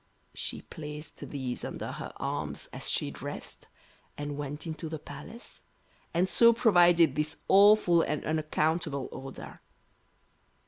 She placed these under her arms as she dressed and went into the Palace, and so provided this awful and unaccountable odour.